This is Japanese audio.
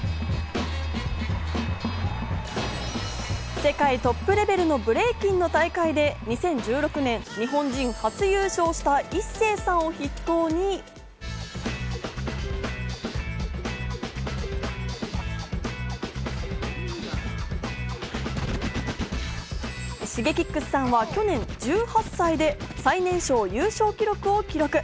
世界トップレベルのブレイキンの大会で２０１６年日本人初優勝したＩＳＳＥＩさんを筆頭にＳＨＩＧＥＫＩＸさんは去年１８歳で最年少優勝記録を記録。